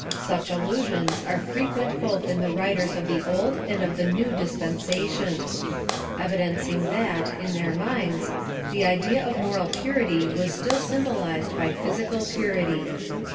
Such allusions are frequent both in the writers of the Old and of the New dis pensations ; evidencing that, in their minds, the idea of moral purity was still symbolized by physical parity.